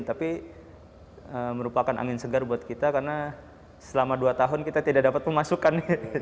tapi merupakan angin segar buat kita karena selama dua tahun kita tidak dapat pemasukan